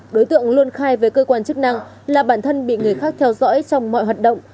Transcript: đối tượng luôn khai với cơ quan chức năng là bản thân bị người khác theo dõi trong mọi hoạt động